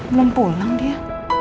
belum pulang dia